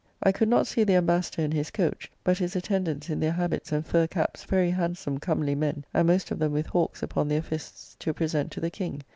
I could not see the Embassador in his coach; but his attendants in their habits and fur caps very handsome, comely men, and most of them with hawkes upon their fists to present to the King.